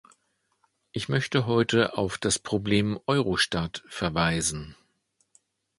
Ich möchte heute auf das Problem Eurostat verweisen.